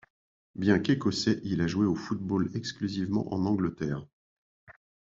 Bien qu'écossais, il a joué au football exclusivement en Angleterre.